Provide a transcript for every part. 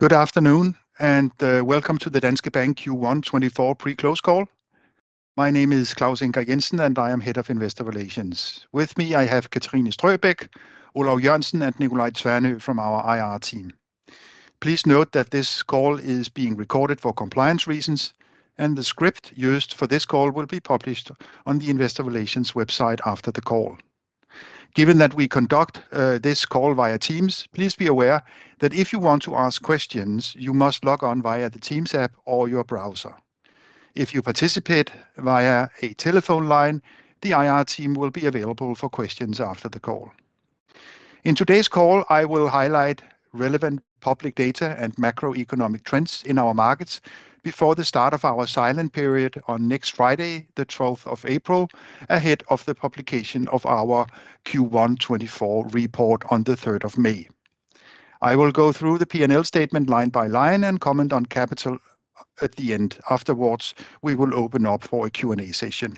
Good afternoon, and welcome to the Danske Bank Q1 2024 pre-close call. My name is Claus Ingar Jensen, and I am head of Investor Relations. With me, I have Katrine Strøbech, Olav Jørgensen, and Nicolai Tvernø from our IR team. Please note that this call is being recorded for compliance reasons, and the script used for this call will be published on the Investor Relations website after the call. Given that we conduct this call via Teams, please be aware that if you want to ask questions, you must log on via the Teams app or your browser. If you participate via a telephone line, the IR team will be available for questions after the call. In today's call, I will highlight relevant public data and macroeconomic trends in our markets before the start of our silent period on next Friday, the twelfth of April, ahead of the publication of our Q1 2024 report on the third of May. I will go through the P&L statement line by line and comment on capital at the end. Afterwards, we will open up for a Q&A session.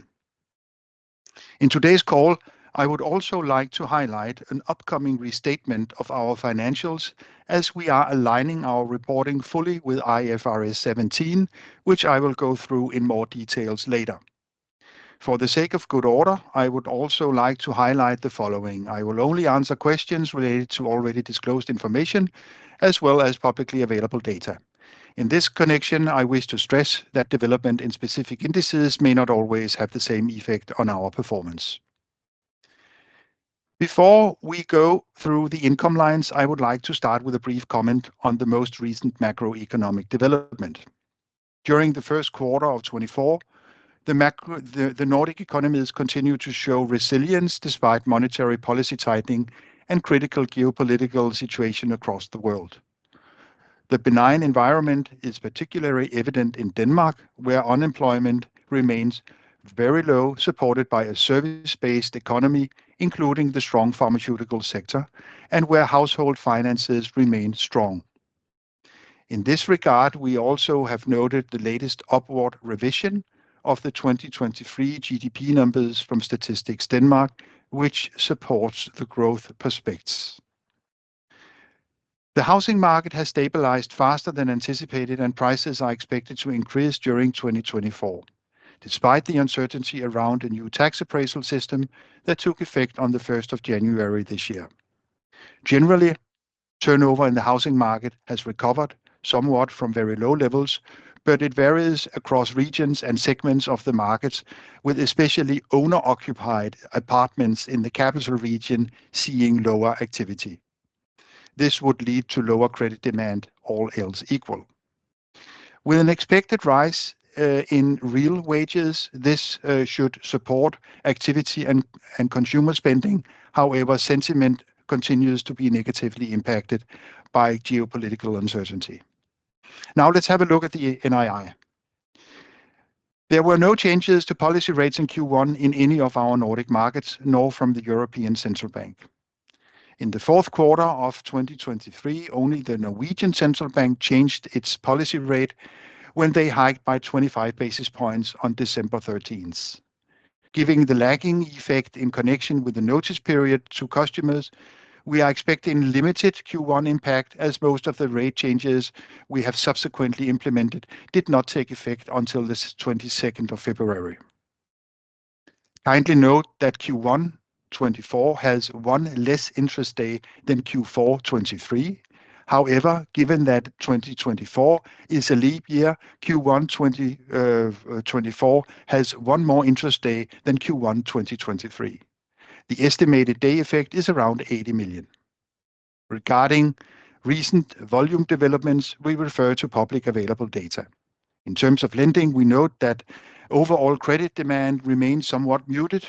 In today's call, I would also like to highlight an upcoming restatement of our financials as we are aligning our reporting fully with IFRS 17, which I will go through in more details later. For the sake of good order, I would also like to highlight the following. I will only answer questions related to already disclosed information as well as publicly available data. In this connection, I wish to stress that development in specific indices may not always have the same effect on our performance. Before we go through the income lines, I would like to start with a brief comment on the most recent macroeconomic development. During the first quarter of 2024, the Nordic economies continued to show resilience despite monetary policy tightening and critical geopolitical situation across the world. The benign environment is particularly evident in Denmark, where unemployment remains very low, supported by a service-based economy, including the strong pharmaceutical sector, and where household finances remain strong. In this regard, we also have noted the latest upward revision of the 2023 GDP numbers from Statistics Denmark, which supports the growth prospects. The housing market has stabilized faster than anticipated, and prices are expected to increase during 2024, despite the uncertainty around the new tax appraisal system that took effect on the first of January this year. Generally, turnover in the housing market has recovered somewhat from very low levels, but it varies across regions and segments of the markets, with especially owner-occupied apartments in the capital region seeing lower activity. This would lead to lower credit demand, all else equal. With an expected rise in real wages, this should support activity and consumer spending. However, sentiment continues to be negatively impacted by geopolitical uncertainty. Now let's have a look at the NII. There were no changes to policy rates in Q1 in any of our Nordic markets, nor from the European Central Bank. In the fourth quarter of 2023, only the Norwegian Central Bank changed its policy rate when they hiked by 25 basis points on December 13. Giving the lagging effect in connection with the notice period to customers, we are expecting limited Q1 impact, as most of the rate changes we have subsequently implemented did not take effect until the 22nd of February. Kindly note that Q1 2024 has one less interest day than Q4 2023. However, given that 2024 is a leap year, Q1 2024 has one more interest day than Q1 2023. The estimated day effect is around 80 million. Regarding recent volume developments, we refer to publicly available data. In terms of lending, we note that overall credit demand remains somewhat muted.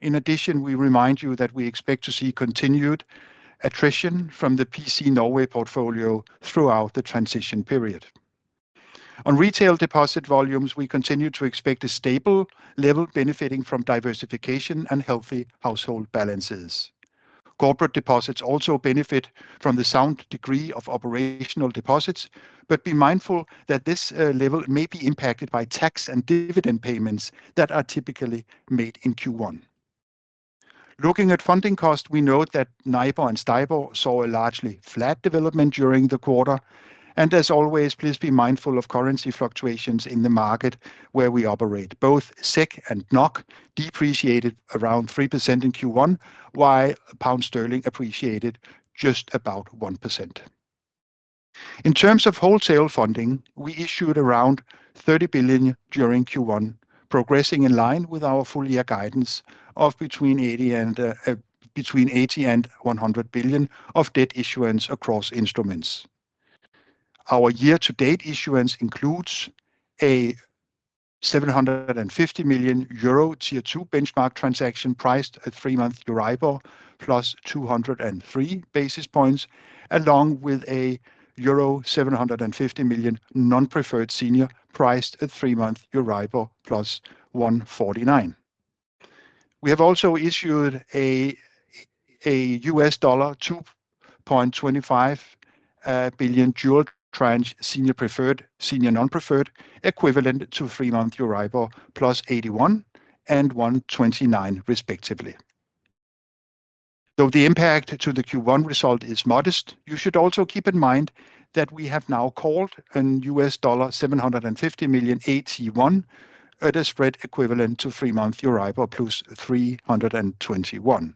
In addition, we remind you that we expect to see continued attrition from the PC Norway portfolio throughout the transition period. On retail deposit volumes, we continue to expect a stable level benefiting from diversification and healthy household balances. Corporate deposits also benefit from the sound degree of operational deposits, but be mindful that this level may be impacted by tax and dividend payments that are typically made in Q1. Looking at funding costs, we note that NIBOR and STIBOR saw a largely flat development during the quarter. And as always, please be mindful of currency fluctuations in the market where we operate. Both SEK and NOK depreciated around 3% in Q1, while pound sterling appreciated just about 1%. In terms of wholesale funding, we issued around 30 billion during Q1, progressing in line with our full year guidance of between 80 billion and 100 billion of debt issuance across instruments. Our year-to-date issuance includes a 750 million euro Tier 2 benchmark transaction, priced at three-month EURIBOR +203 basis points, along with a euro 750 million non-preferred senior, priced at three-month EURIBOR +149. We have also issued a $2.25 billion dual tranche, senior preferred, senior non-preferred, equivalent to three-month EURIBOR +81 and +129 respectively. Though the impact to the Q1 result is modest, you should also keep in mind that we have now called a $750 million AT1 at a spread equivalent to three-month EURIBOR +321.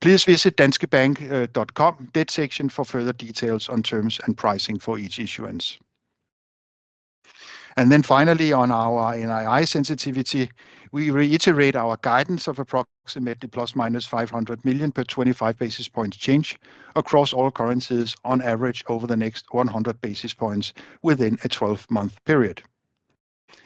Please visit danskebank.com debt section for further details on terms and pricing for each issuance. And then finally, on our NII sensitivity, we reiterate our guidance of approximately ± 500 million per 25 basis point change across all currencies on average over the next 100 basis points within a 12-month period.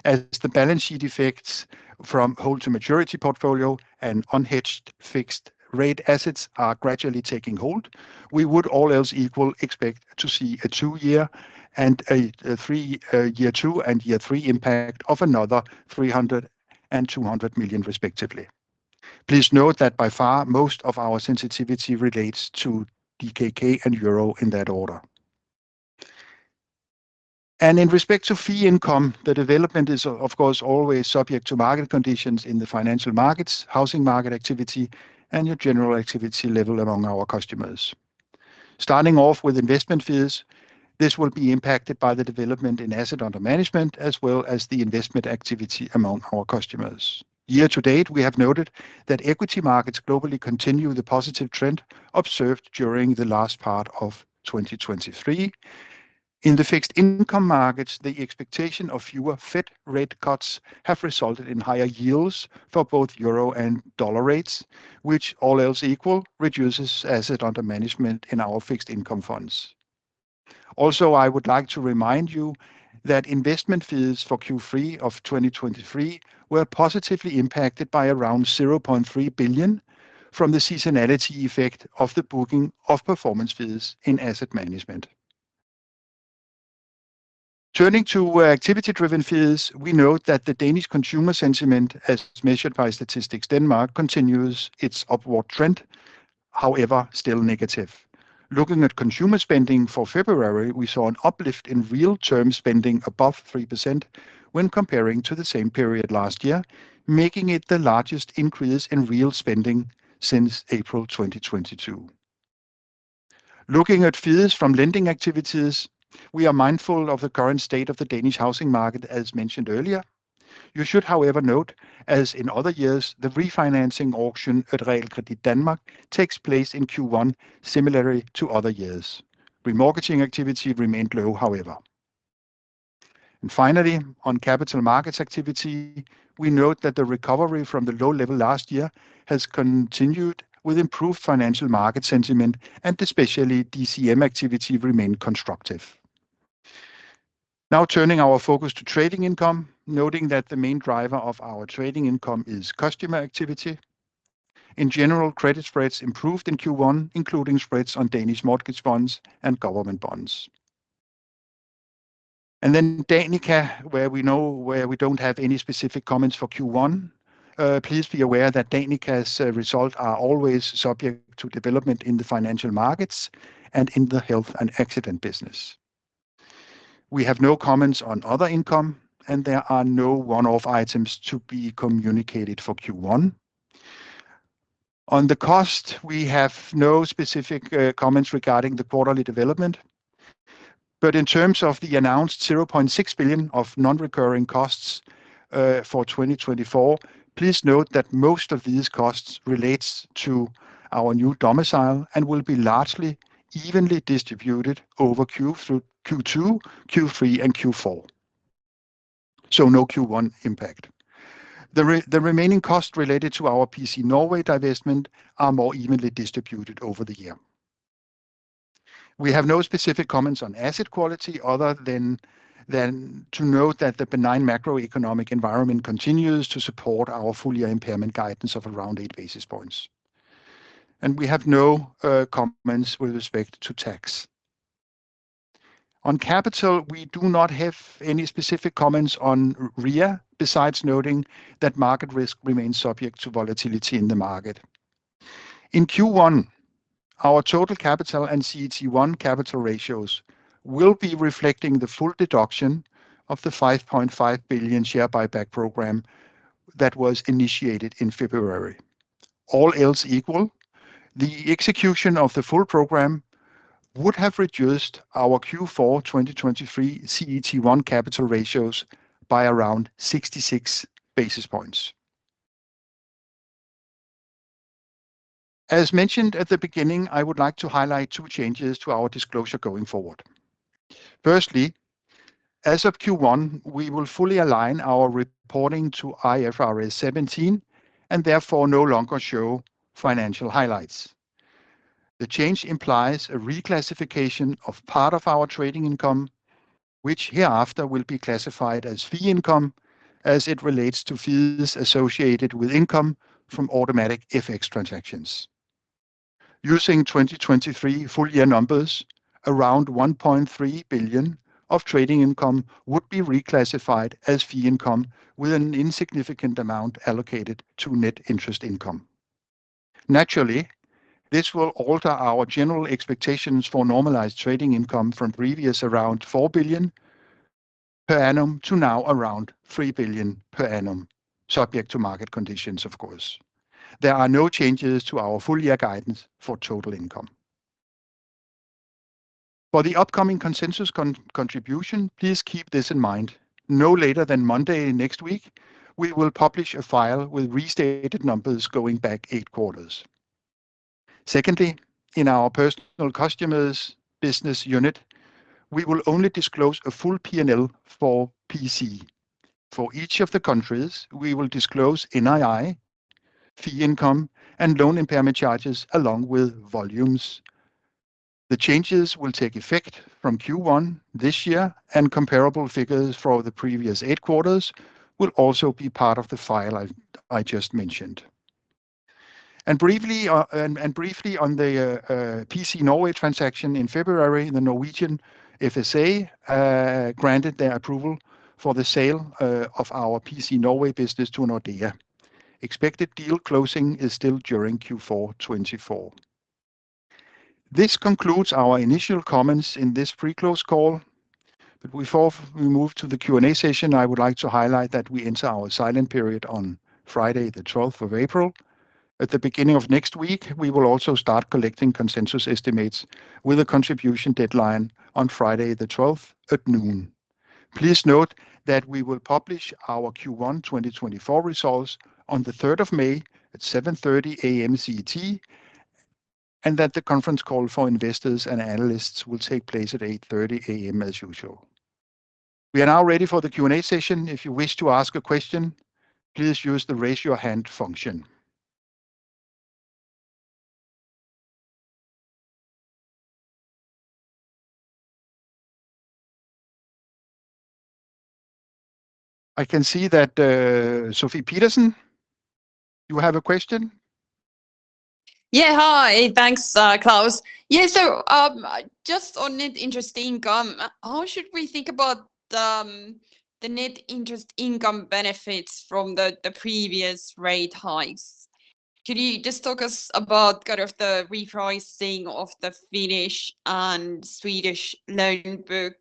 As the balance sheet effects from hold-to-maturity portfolio and unhedged fixed rate assets are gradually taking hold, we would all else equal expect to see a two-year and a three-year impact of another 300 million and 200 million, respectively. Please note that by far, most of our sensitivity relates to DKK and Euro in that order. And in respect to fee income, the development is, of course, always subject to market conditions in the financial markets, housing market activity, and your general activity level among our customers. Starting off with investment fees, this will be impacted by the development in asset under management as well as the investment activity among our customers. Year to date, we have noted that equity markets globally continue the positive trend observed during the last part of 2023. In the fixed income markets, the expectation of fewer Fed rate cuts have resulted in higher yields for both euro and dollar rates, which all else equal, reduces asset under management in our fixed income funds. Also, I would like to remind you that investment fees for Q3 of 2023 were positively impacted by around 0.3 billion from the seasonality effect of the booking of performance fees in asset management. Turning to activity-driven fees, we note that the Danish consumer sentiment, as measured by Statistics Denmark, continues its upward trend, however, still negative. Looking at consumer spending for February, we saw an uplift in real term spending above 3% when comparing to the same period last year, making it the largest increase in real spending since April 2022. Looking at fees from lending activities, we are mindful of the current state of the Danish housing market, as mentioned earlier. You should, however, note, as in other years, the refinancing auction at Realkredit Danmark takes place in Q1, similarly to other years. Remortgaging activity remained low, however. Finally, on capital markets activity, we note that the recovery from the low level last year has continued with improved financial market sentiment, and especially DCM activity remained constructive. Now turning our focus to trading income, noting that the main driver of our trading income is customer activity. In general, credit spreads improved in Q1, including spreads on Danish mortgage bonds and government bonds. And then Danica, where we know where we don't have any specific comments for Q1, please be aware that Danica's result are always subject to development in the financial markets and in the health and accident business. We have no comments on other income, and there are no one-off items to be communicated for Q1. On the cost, we have no specific comments regarding the quarterly development, but in terms of the announced 0.6 billion of non-recurring costs for 2024, please note that most of these costs relates to our new domicile and will be largely evenly distributed over Q, through Q2, Q3, and Q4, so no Q1 impact. The remaining costs related to our PC Norway divestment are more evenly distributed over the year. We have no specific comments on asset quality other than to note that the benign macroeconomic environment continues to support our full-year impairment guidance of around 8 basis points, and we have no comments with respect to tax. On capital, we do not have any specific comments on RWA, besides noting that market risk remains subject to volatility in the market. In Q1, our total capital and CET1 capital ratios will be reflecting the full deduction of the 5.5 billion share buyback program that was initiated in February. All else equal, the execution of the full program would have reduced our Q4 2023 CET1 capital ratios by around 66 basis points. As mentioned at the beginning, I would like to highlight 2 changes to our disclosure going forward. Firstly, as of Q1, we will fully align our reporting to IFRS 17, and therefore no longer show financial highlights. The change implies a reclassification of part of our trading income, which hereafter will be classified as fee income as it relates to fees associated with income from automatic FX transactions. Using 2023 full-year numbers, around 1.3 billion of trading income would be reclassified as fee income, with an insignificant amount allocated to net interest income. Naturally, this will alter our general expectations for normalized trading income from previous around 4 billion per annum to now around 3 billion per annum, subject to market conditions, of course. There are no changes to our full year guidance for total income. For the upcoming consensus contribution, please keep this in mind. No later than Monday next week, we will publish a file with restated numbers going back eight quarters. Secondly, in our personal customers business unit, we will only disclose a full PNL for PC. For each of the countries, we will disclose NII, fee income, and loan impairment charges, along with volumes. The changes will take effect from Q1 this year, and comparable figures for the previous eight quarters will also be part of the file I just mentioned. And briefly on the PC Norway transaction in February, the Norwegian FSA granted their approval for the sale of our PC Norway business to Nordea. Expected deal closing is still during Q4 2024. This concludes our initial comments in this pre-close call. But before we move to the Q&A session, I would like to highlight that we enter our silent period on Friday, the twelfth of April. At the beginning of next week, we will also start collecting consensus estimates, with a contribution deadline on Friday the twelfth at noon. Please note that we will publish our Q1 2024 results on the third of May at 7:30 A.M. CET, and that the conference call for investors and analysts will take place at 8:30 A.M. as usual. We are now ready for the Q&A session. If you wish to ask a question, please use the Raise Your Hand function. I can see that, Sofie Peterzéns, you have a question? Yeah. Hi, thanks, Claus. Yeah, so, just on net interest income, how should we think about the net interest income benefits from the previous rate highs? Could you just talk us about kind of the repricing of the Finnish and Swedish loan book?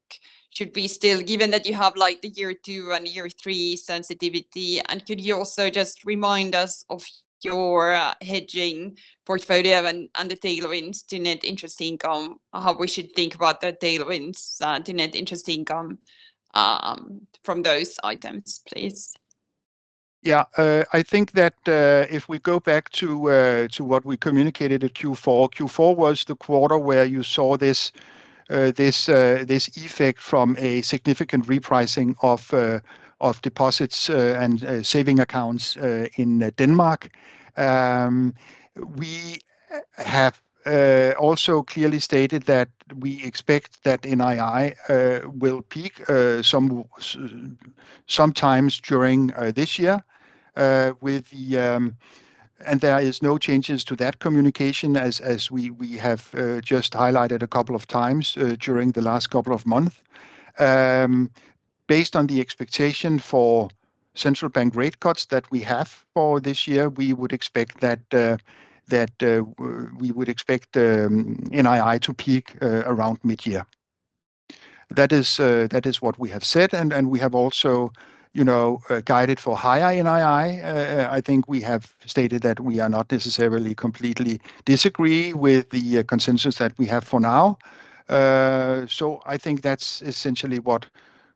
Should we still, given that you have, like, the year two and year three sensitivity, and could you also just remind us of your hedging portfolio and the tailwinds to net interest income? How we should think about the tailwinds to net interest income from those items, please? Yeah, I think that if we go back to what we communicated at Q4, Q4 was the quarter where you saw this effect from a significant repricing of deposits and savings accounts in Denmark. We have also clearly stated that we expect that NII will peak sometime during this year with the. There is no changes to that communication, as we have just highlighted a couple of times during the last couple of months. Based on the expectation for central bank rate cuts that we have for this year, we would expect that we would expect NII to peak around mid-year. That is, that is what we have said, and, and we have also, you know, guided for higher NII. I think we have stated that we are not necessarily completely disagree with the consensus that we have for now. So I think that's essentially what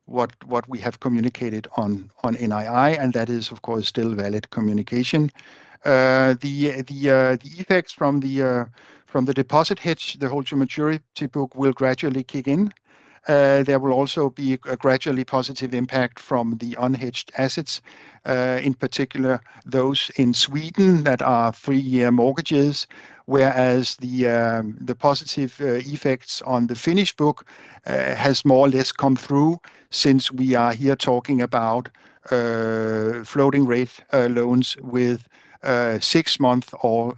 we have communicated on NII, and that is, of course, still valid communication. The effects from the deposit hedge, the hold-to-maturity book will gradually kick in. There will also be a gradually positive impact from the unhedged assets, in particular, those in Sweden that are three-year mortgages, whereas the positive effects on the Finnish book has more or less come through since we are here talking about floating rate loans with six-month or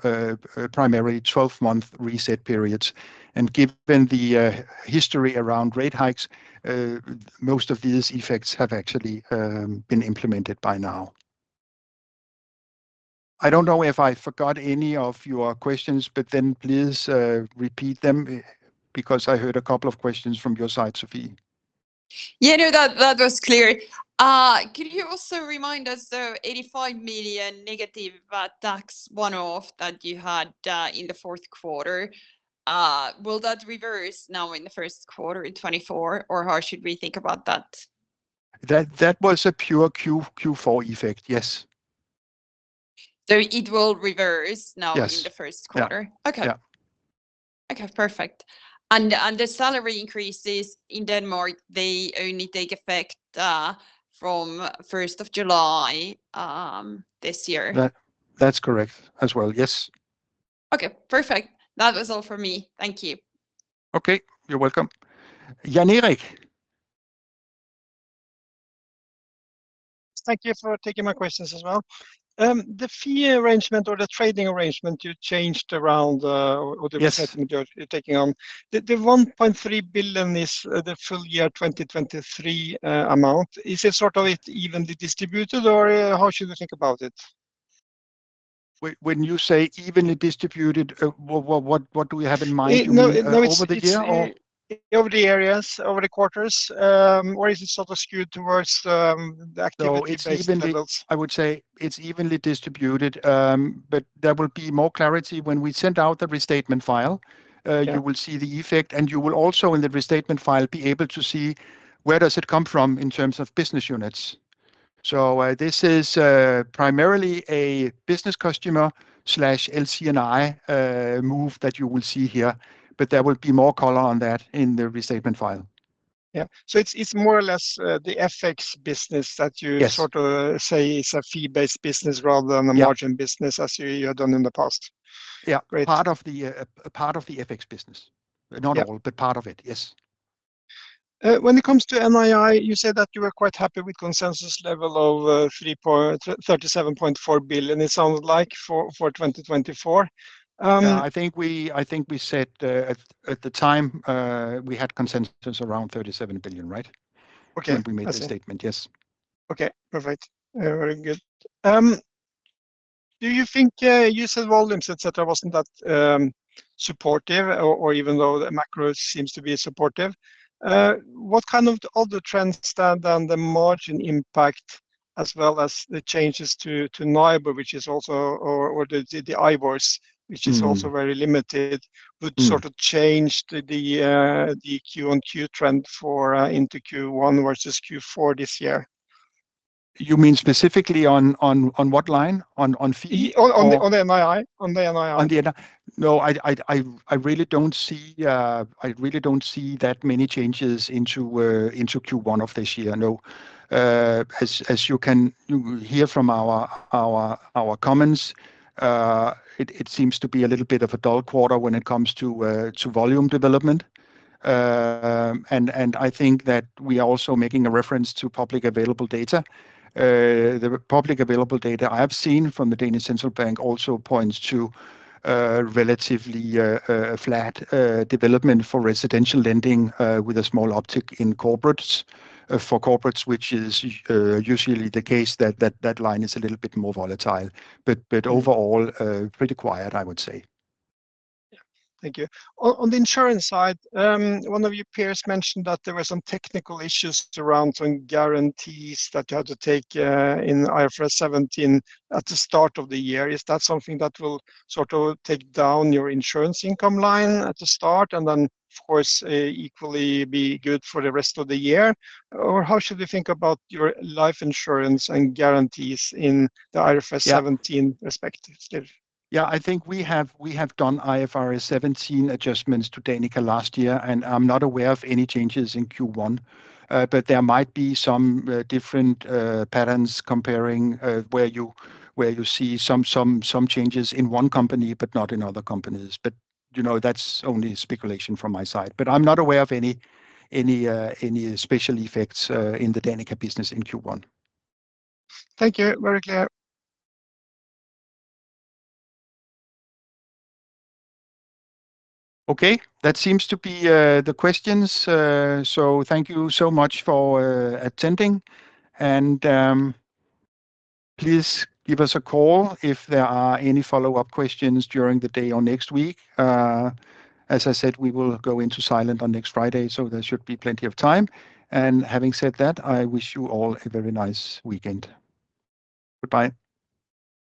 primarily 12-month reset periods. And given the history around rate hikes, most of these effects have actually been implemented by now. I don't know if I forgot any of your questions, but then please repeat them, because I heard a couple of questions from your side, Sofie. Yeah, no, that, that was clear. Could you also remind us, the negative 85 million tax one-off that you had in the fourth quarter, will that reverse now in the first quarter in 2024, or how should we think about that? That was a pure Q4 effect, yes. It will reverse now. Yes... in the first quarter? Yeah. Okay. Yeah. Okay, perfect. And the salary increases in Denmark, they only take effect from first of July this year? That, that's correct as well, yes. Okay, perfect. That is all for me. Thank you. Okay, you're welcome. Jan Erik? Thank you for taking my questions as well. The fee arrangement or the trading arrangement you changed around, or- Yes... you're taking on, the one point three billion is the full year 2023 amount. Is it sort of evenly distributed, or how should we think about it?... When you say evenly distributed, what do we have in mind? No, no, it's- Over the year or? Over the areas, over the quarters, or is it sort of skewed towards, the activity- No, it's evenly... I would say it's evenly distributed, but there will be more clarity when we send out the restatement file. Yeah. You will see the effect, and you will also, in the restatement file, be able to see where does it come from in terms of business units. So, this is primarily a business customer/LC&I move that you will see here, but there will be more color on that in the restatement file. Yeah. So it's more or less the FX business that you- Yes... sort of say it's a fee-based business rather than- Yeah... a margin business as you have done in the past. Yeah. Great. Part of the, part of the FX business. Yeah. Not all, but part of it. Yes. When it comes to NII, you said that you were quite happy with consensus level of 37.4 billion, it sounds like, for 2024. Yeah, I think we said at the time we had consensus around 37 billion, right? Okay. When we made the statement. Yes. Okay. Perfect. Very good. Do you think user volumes, et cetera, wasn't that supportive or, or even though the macro seems to be supportive, what kind of other trends stand on the margin impact as well as the changes to, to NIBOR, which is also... or, or the, the IBORs- Mm-hmm ... which is also very limited- Mm... would sort of change the Q-on-Q trend for into Q1 versus Q4 this year? You mean specifically on what line? On fee or- On the NII. On the NII. On the NII. No, I really don't see that many changes into Q1 of this year. No. As you can hear from our comments, it seems to be a little bit of a dull quarter when it comes to volume development. And I think that we are also making a reference to publicly available data. The publicly available data I have seen from the Danish Central Bank also points to relatively flat development for residential lending, with a small uptick in corporates. For corporates, which is usually the case, that line is a little bit more volatile, but overall pretty quiet, I would say. Yeah. Thank you. On the insurance side, one of your peers mentioned that there were some technical issues around some guarantees that you had to take in IFRS 17 at the start of the year. Is that something that will sort of take down your insurance income line at the start, and then, of course, equally be good for the rest of the year? Or how should we think about your life insurance and guarantees in the IFRS- Yeah... IFRS 17 perspective? Yeah, I think we have done IFRS 17 adjustments to Danica last year, and I'm not aware of any changes in Q1. But there might be some different patterns comparing where you see some changes in one company, but not in other companies. But, you know, that's only speculation from my side. But I'm not aware of any special effects in the Danica business in Q1. Thank you. Very clear. Okay, that seems to be the questions. So thank you so much for attending, and please give us a call if there are any follow-up questions during the day or next week. As I said, we will go into silent on next Friday, so there should be plenty of time. And having said that, I wish you all a very nice weekend. Goodbye.